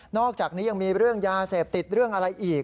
อกจากนี้ยังมีเรื่องยาเสพติดเรื่องอะไรอีก